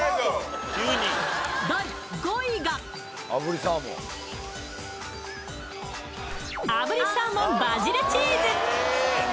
第５位が炙りサーモンバジルチーズ。